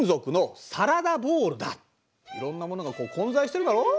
いろんなものがこう混在してるだろ？